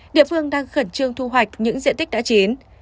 địa phương đang khẩn trương thu hoạch những diện tích đã chín